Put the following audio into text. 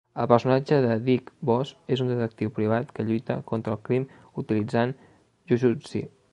El personatge de Dick Bos és un detectiu privat que lluita contra el crim utilitzant jujutsu.